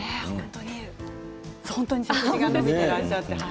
本当に背筋が伸びていらっしゃって。